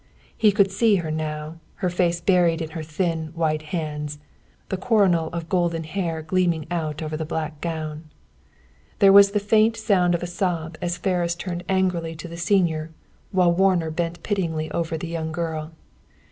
He could see her now, her face buried in her thin, white hands, the coronal of golden hair gleaming out over the black gown. There was the faint sound of a sob as Ferris turned angrily to the senior, while Warner bent pityingly over the young girl.